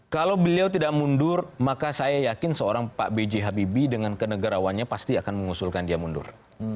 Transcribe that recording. kalau beliau tidak mundur maka saya yakin seorang pak b j habibie dengan kenegarawannya pasti akan mengusulkan dia mundur